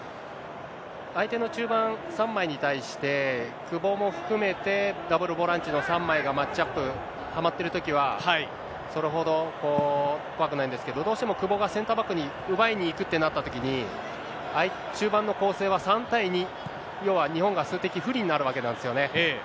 相手の中盤、３枚に対して、久保も含めて、ダブルボランチの３枚がマッチアップはまってるときは、それほど怖くないんですけど、どうしても久保がセンターバックに奪いに行くってなったときに、中盤の構成は３対２、要は、日本が数的不利になるわけなんですよね。